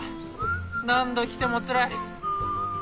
何度来てもつらい。